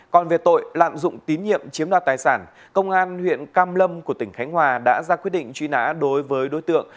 còn về tội lạm dụng tín nhiệm chiếm đoạt tài sản công an huyện cam lâm của tỉnh khánh hòa đã ra quyết định truy nã đối với đối tượng